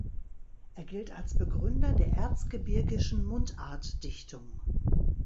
Er gilt als Begründer der erzgebirgischen Mundartdichtung.